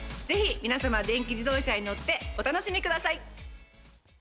ぜひ皆様、電気自動車に乗って、お楽しみください。